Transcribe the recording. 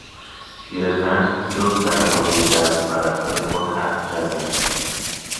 پیر زن جز دربارهی درد و مرضهای خود حرفی نزد.